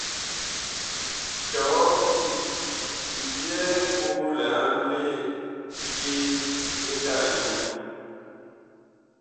Tɔɔ pii bi byɛɛ koo liamble yee bi nga yo.